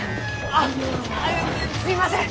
あっ！すみません！